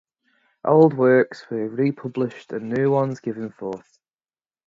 Old works were republished and new ones given forth.